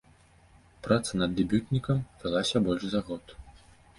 Праца над дэбютнікам вялася больш за год.